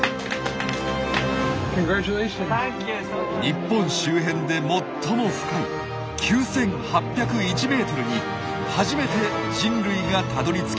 日本周辺で最も深い９８０１ｍに初めて人類がたどりつきました。